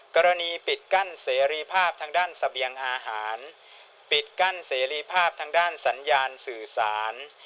กรณีปิดกั้นเสรีภาพทางด้านเสบียงอาหารปิดกั้นเสรีภาพทางด้านสัญญาณสื่อสาร